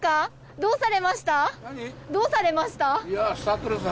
どうされました？